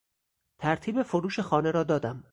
ترتیب فروش خانه را دادم.